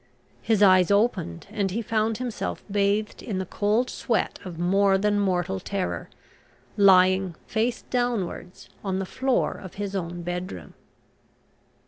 His eyes opened and he found himself, bathed in the cold sweat of more than mortal terror, lying face downwards on the floor of his own bedroom.